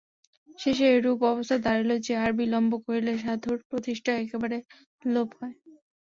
শেষে এরূপ অবস্থা দাঁড়াইল যে, আর বিলম্ব করিলে সাধুর প্রতিষ্ঠা একেবারে লোপ হয়।